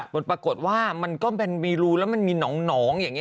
มันปรากฏว่ามันก็เป็นวีรูแล้วมันมีหนองอย่างนี้